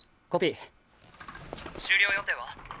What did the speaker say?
「終了予定は？」